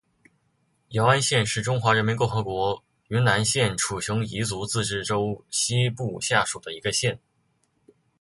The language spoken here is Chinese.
姚安县是中华人民共和国云南省楚雄彝族自治州西部下属的一个县。